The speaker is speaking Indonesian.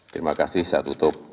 terima kasih saya tutup